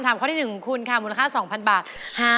อันนี้ถูกกว่า